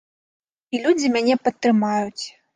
І людзі мяне падтрымаюць.